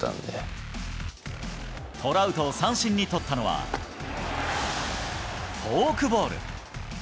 トラウトを三振に取ったのは、フォークボール。